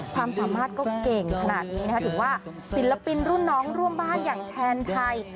ความสามารถก็เก่งขนาดนี้นะคะถือว่าศิลปินรุ่นน้องร่วมบ้านอย่างแทนไทย